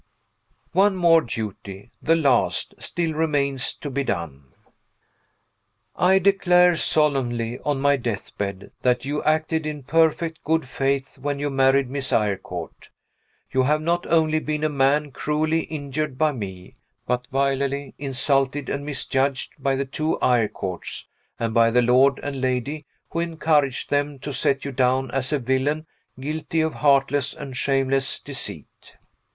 One more duty (the last) still remains to be done. I declare solemnly, on my deathbed, that you acted in perfect good faith when you married Miss Eyrecourt. You have not only been a man cruelly injured by me, but vilely insulted and misjudged by the two Eyrecourts, and by the lord and lady who encouraged them to set you down as a villain guilty of heartless and shameless deceit.